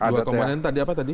dua komponen tadi apa tadi